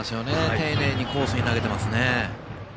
丁寧にコースに投げてますね。